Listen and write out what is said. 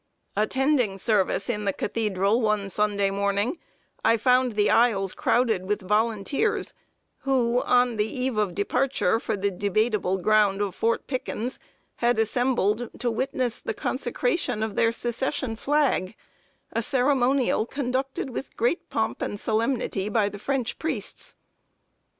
Attending service in the cathedral one Sunday morning, I found the aisles crowded with volunteers who, on the eve of departure for the debatable ground of Fort Pickens, had assembled to witness the consecration of their Secession flag, a ceremonial conducted with great pomp and solemnity by the French priests.